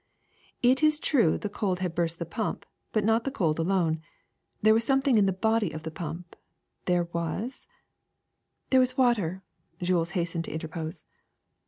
^^It is true the cold had burst the pump, but not the cold alone. There was something in the body of the pump, there was —"^' There was water," Jules hastened to interpose.